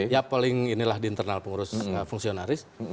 ya polling inilah di internal pengurus fungsionalis